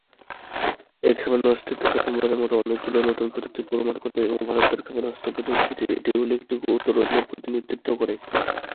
এই ক্ষেপণাস্ত্রটি প্রথমবারের মতো অনেকগুলি নতুন প্রযুক্তি প্রমাণ করে এবং ভারতের ক্ষেপণাস্ত্র প্রযুক্তিতে একটি উল্লেখযোগ্য উত্তরণের প্রতিনিধিত্ব করে।